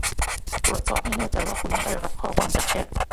ตรวจสอบให้แน่ใจว่าคุณได้รับข้อความจากแพทย์